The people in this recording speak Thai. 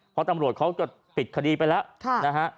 เพราะตำรวจเขาจะปิดคดีไปแล้วนะฮะ